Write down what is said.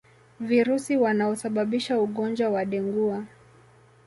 Virusi wanaosababisha ugonjwa wa dengua